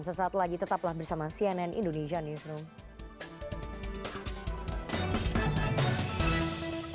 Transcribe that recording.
sesaat lagi tetaplah bersama cnn indonesia newsroom